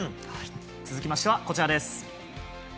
続きましてはこちらです。